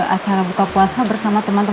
acara buka puasa bersama teman teman